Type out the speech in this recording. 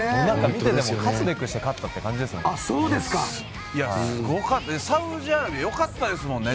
見ていても勝つべくして勝った感じですもんね。